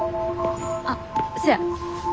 あっそうや。